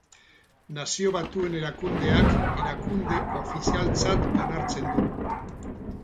Nazio Batuen Erakundeak erakunde ofizialtzat onartzen du.